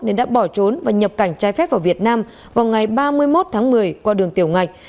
nên đã bỏ trốn và nhập cảnh trái phép vào việt nam vào ngày ba mươi một tháng một mươi qua đường tiểu ngạch